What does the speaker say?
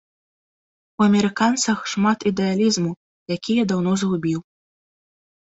У амерыканцах шмат ідэалізму, які я даўно згубіў.